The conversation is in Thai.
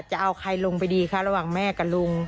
จะเอาใครลงไปดีคะระหว่างแม่กับลุง